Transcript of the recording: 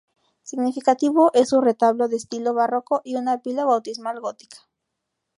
Significativo es su retablo de estilo barroco y una pila bautismal gótica.